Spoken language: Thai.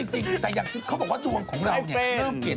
จริงแต่เค้าบอกว่าดวงของเราเนี่ยเริ่มเปลี่ยน